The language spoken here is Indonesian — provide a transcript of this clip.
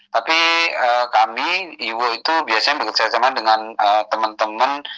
tapi kami iwo itu biasanya bekerjasama dengan teman teman